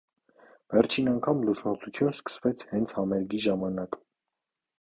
Վերջին անգամ լուսնոտություն սկսվեց հենց համերգի ժամանակ։